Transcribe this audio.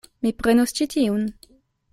Mi prenos ĉi tiun.